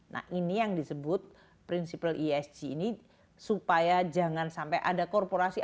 nah ini yang disebut prinsipal esg ini supaya jangan sampai ada korporasi